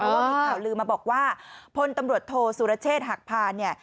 ว่ามีข่าวลืมมาบอกว่าพลตำรวจโทสุรเชษฐ์หักพานเนี่ย